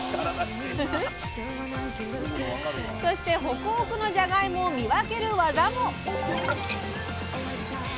そしてホクホクのじゃがいもを見分ける技も！